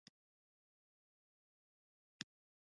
د خوړو توازن روغتیا ساتي.